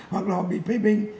hoặc là họ bị phê bình